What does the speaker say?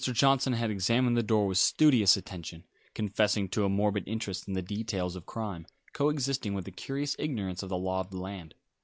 Johnson had examined the door with studious attention, confessing to a morbid interest in the details of crime, co existent with a curious ignorance of the law of the land.